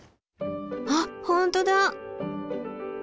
あっ本当だ。